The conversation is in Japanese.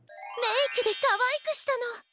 メイクでかわいくしたの。